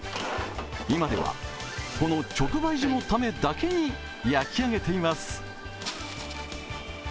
今ではこの直売所のためだけに焼き上げています。